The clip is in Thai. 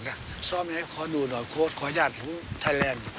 ชอบอย่างไรขอดูหน่อยโคตรขอให้ยาจที่ไทยแรน